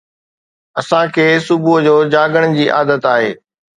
اسان کي صبح جو جاڳڻ جي عادت آهي.